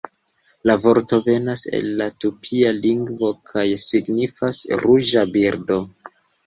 La vorto venas el la tupia lingvo kaj signifas "ruĝa birdo".